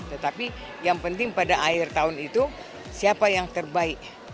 tetapi yang penting pada akhir tahun itu siapa yang terbaik